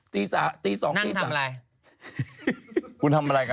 ตี๒ตี๓นั่งทำอะไร